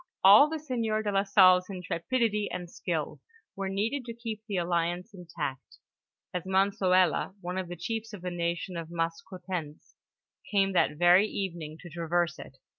All the'sieur de la Salle's intrepidity and skill were needed to keep the alliance intact, as Monsoela, one of the chiefs of the nation of Maskoutens came that very evening to traverse it.